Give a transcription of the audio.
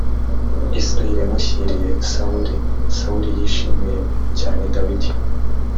isirayeli yamushyiriye sawuli sawuli yishimiye cyane dawidi